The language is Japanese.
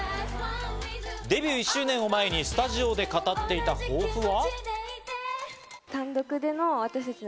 デビュー１周年を前にスタジオで語っていた抱負は。